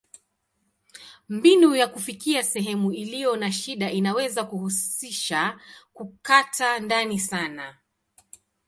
Mbinu ya kufikia sehemu iliyo na shida inaweza kuhusisha kukata ndani sana.